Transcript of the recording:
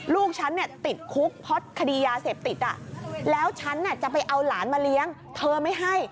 ลูกฉันเนี่ยติดคุกเพราะคดียาเสพติดแล้วฉันจะไปเอาหลานมาเลี้ยงเธอไม่ให้